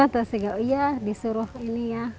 terus ya disuruh ini ya